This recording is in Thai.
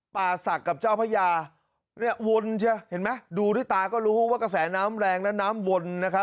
ป่าศักดิ์กับเจ้าพระยาเนี่ยวนเชียเห็นไหมดูด้วยตาก็รู้ว่ากระแสน้ำแรงและน้ำวนนะครับ